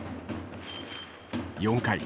４回。